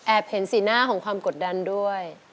เห็นสีหน้าของความกดดันด้วย